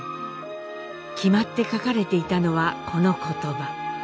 決まって書かれていたのはこの言葉。